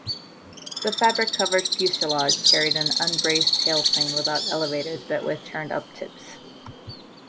The fabric-covered fuselage carried an unbraced tailplane, without elevators but with turned-up tips.